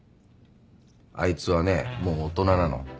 あいつはねもう大人なの。